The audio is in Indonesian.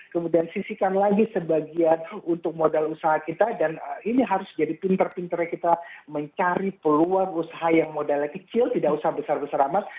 kemudian sisikan lagi sebagian untuk modal usaha kita dan ini harus jadi pinter pinternya kita mencari peluang usaha yang modalnya kecil tidak usah besar besar amat